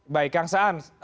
baik kang saan